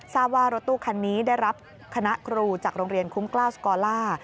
ทราบว่ารถตู้คันนี้ได้รับคณะครูจากโรงเรียนคุ้มกล้าวสกอลล่า